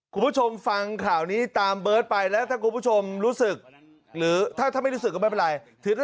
คุณผู้ชมฟังข่าวนี้ตามเบิร์ดไปแล้วถ้ามีความรู้สึกก็ไม่เป็นไร